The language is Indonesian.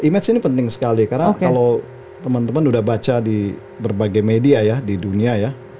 image ini penting sekali karena kalau teman teman udah baca di berbagai media ya di dunia ya